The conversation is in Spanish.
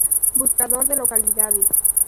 Buscador de Localidades.